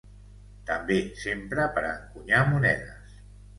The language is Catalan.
També s'empra per a encunyar monedes.